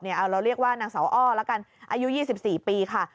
เราเรียกว่านางสาวอ้อละกันอายุ๒๔ปีค่ะ